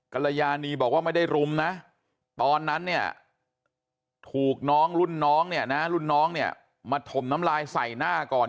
กลยานีบอกว่าไม่ได้รุมนะตอนนั้นถูกน้องรุ่นน้องมาถมน้ำลายใส่หน้าก่อน